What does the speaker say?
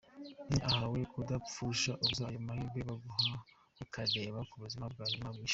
Ni ahawe kudapfusha ubusa ayo mahirwe baguha ukareba ku buzima bwa nyuma y’ishuri.